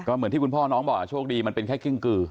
เหมือนที่คุณพ่อน้องบอกโชคดีมันเป็นแค่กิ้งกือ